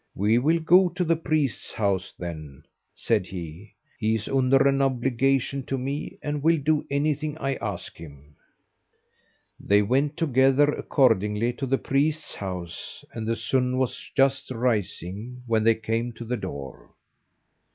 "We will go to the priest's house, then," said he; "he is under an obligation to me, and will do anything I ask him." They went together accordingly to the priest's house, and the sun was just rising when they came to the door.